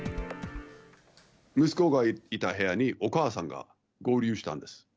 息子がいた部屋にお母さんが合流したんです。